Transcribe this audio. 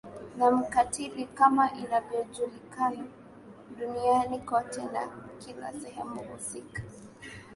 na mkatili kama inavyojulikana duniani kote na kila Sehemu husika